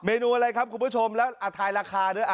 นูอะไรครับคุณผู้ชมแล้วทายราคาด้วย